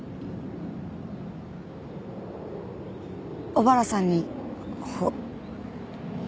小原さんにほ。